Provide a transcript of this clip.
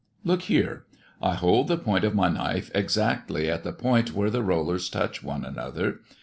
Look here. I hold the point of my knife exactly at the point where the rollers touch one another.